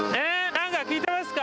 何か聞いてますか？